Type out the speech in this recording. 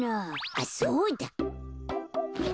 あっそうだ！